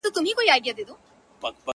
جهاني د خوب نړۍ ده پکښي ورک دی هر وګړی!!